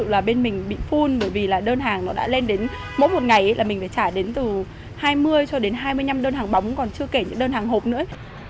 dù là bên mình bị phun bởi vì là đơn hàng nó đã lên đến mỗi một ngày là mình phải trả đến từ hai mươi cho đến hai mươi năm đơn hàng bóng còn chưa kể những đơn hàng hộp nữa